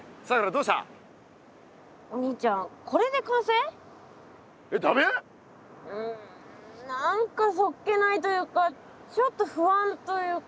うんなんかそっけないというかちょっとふあんというか。